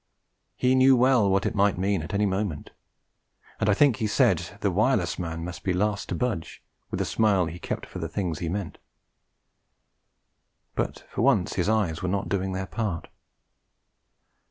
He knew well what it might mean at any moment; and I think he said, 'The wireless man must be the last to budge,' with the smile he kept for the things he meant; but for once his eyes were not doing their part.